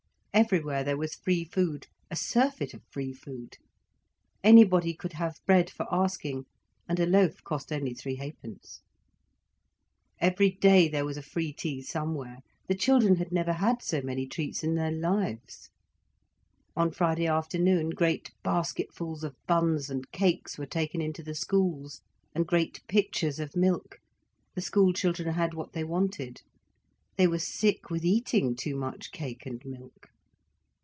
Everywhere there was free food, a surfeit of free food. Anybody could have bread for asking, and a loaf cost only three ha'pence. Every day there was a free tea somewhere, the children had never had so many treats in their lives. On Friday afternoon great basketfuls of buns and cakes were taken into the schools, and great pitchers of milk, the schoolchildren had what they wanted. They were sick with eating too much cake and milk.